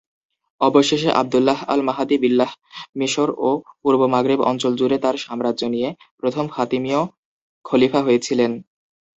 অবশেষে Abdullah Al Mahdi Billah মিশর ও পূর্ব মাগরেব অঞ্চল জুড়ে তাঁর সাম্রাজ্য নিয়ে প্রথম ফাতিমীয় খলিফা হয়েছিলেন।